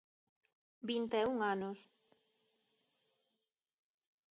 Vinta e un anos.